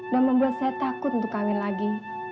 dan membuat saya takut untuk kawin lagi